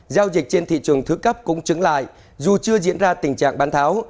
giao dịch trên thị trường thứ cấp cũng chứng lại dù chưa diễn ra tình trạng bán tháo